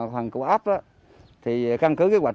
phần của ấp thì căn cứ kế hoạch